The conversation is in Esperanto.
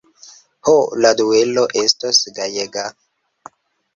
Ho, la duelo estos gajega!